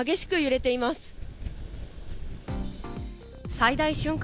最大瞬間